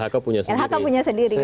klhk punya sendiri